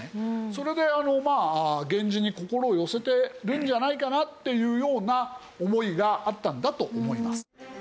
それで源氏に心を寄せてるんじゃないかなっていうような思いがあったんだと思います。